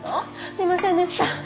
いませんでした。